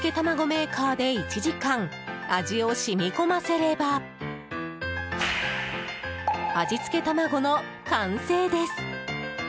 メーカーで１時間、味を染み込ませれば味付け卵の完成です。